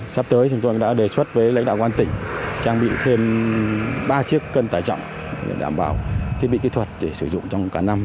sắp tới chúng tôi cũng đã đề xuất với lãnh đạo quan tỉnh trang bị thêm ba chiếc cân tải trọng để đảm bảo thiết bị kỹ thuật để sử dụng trong cả năm